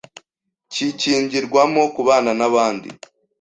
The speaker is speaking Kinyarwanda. kikigirwamo kubana n’abandi.